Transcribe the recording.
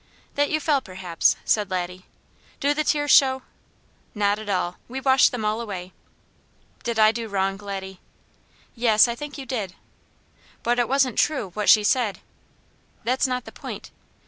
"That you fell, perhaps," said Laddie. "Do the tears show?" "Not at all. We washed them all away." "Did I do wrong, Laddie?" "Yes, I think you did." "But it wasn't true, what she said." "That's not the point."